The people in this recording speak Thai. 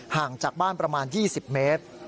ห่างจากบ้านประมาณ๒๐เมตร